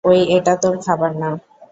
ওই এটা তোর খাবার না।